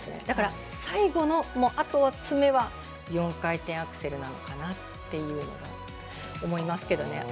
だから最後の詰めは４回転アクセルなのかなというのが思いますけどね。